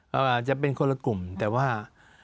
อาจจะเป็นคนละกลุ่มแต่ว่า